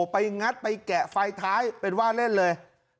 งัดไปแกะไฟท้ายเป็นว่าเล่นเลย